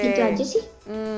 itu aja sih